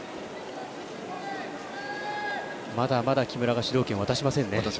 まだまだ木村が主導権を渡しませんね。